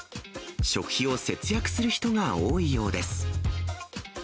食費を節約する人が多いようです。